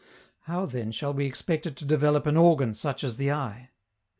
How, then, shall we expect it to develop an organ such as the eye?